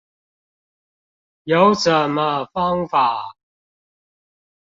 有什麼方法